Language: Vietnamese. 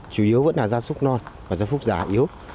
chủ yếu vẫn là gia súc non và gia súc giả yếu